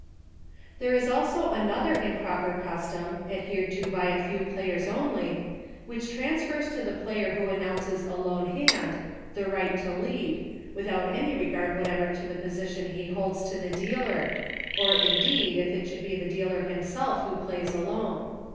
There is also another improper custom, ad hered to by a few players only, which trans fers to the player who announces a lone hand, the right to lead, without any regard what ever to the position he holds to the dealer, or indeed, if it should be the dealer himself who "Plays Alone.